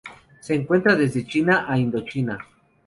Se encuentra desde China a Indochina.